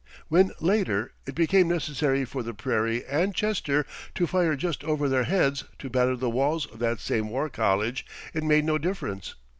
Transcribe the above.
When, later, it became necessary for the Prairie and Chester to fire just over their heads to batter the walls of that same War College, it made no difference.